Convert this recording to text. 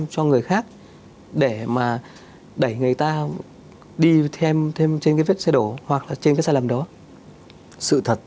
cho người khác để mà đẩy người ta đi thêm trên cái vết xe đổ hoặc là trên cái sai lầm đó sự thật